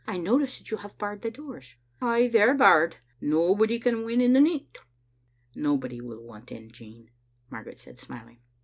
I notice that you have barred the doors." " Ay, they're barred. Nobody can win in the nicht." * Nobody will want in, Jean," Margaret said, smiling.